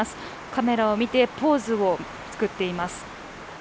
カメラを見てポーズを作っています。